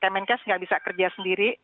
kemenkes nggak bisa kerja sendiri